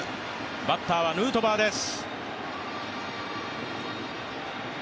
バッターはヌートバーです。